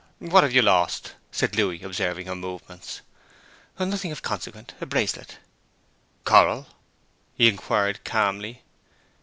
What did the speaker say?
'What have you lost?' said Louis, observing her movements. 'Nothing of consequence, a bracelet.' 'Coral?' he inquired calmly.